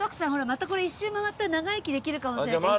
またこれ１周回ったら長生きできるかもしれない。